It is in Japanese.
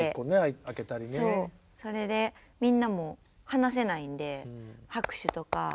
それでみんなも話せないんで拍手とか。